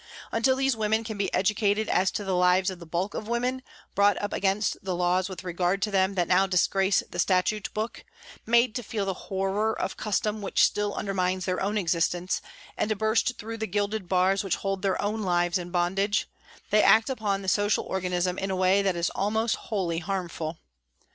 Until these women can be educated as to the lives of the bulk of women, brought up against the laws with regard to them that now disgrace the statute book, made to feel the horror of custom which still under mines their own existence, and to burst through the gilded bars which hold their own lives in bondage, they act upon the social organism in a way that is almost wholly harmful.